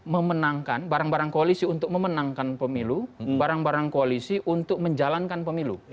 memenangkan barang barang koalisi untuk memenangkan pemilu barang barang koalisi untuk menjalankan pemilu